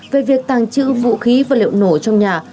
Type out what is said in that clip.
về việc tàng chữ vũ khí và liệu nổ trong nhà